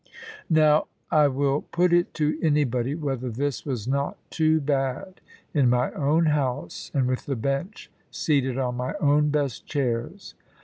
Now, I will put it to anybody whether this was not too bad, in my own house, and with the Bench seated on my own best chairs!